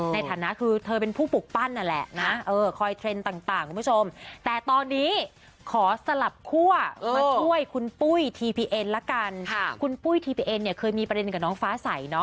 ในฐานะคือเธอเป็นผู้ปลูกปั้นนั่นแหละนะ